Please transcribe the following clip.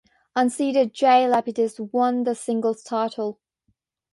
Unseeded Jay Lapidus won the singles title.